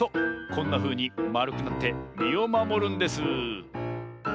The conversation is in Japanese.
こんなふうにまるくなってみをまもるんです！